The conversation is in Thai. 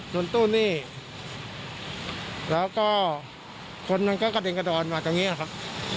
นตู้นี่แล้วก็คนมันก็กระเด็นกระดอนมาตรงนี้แหละครับ